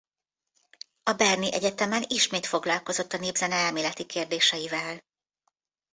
A berni egyetemen ismét foglalkozott a népzene elméleti kérdéseivel.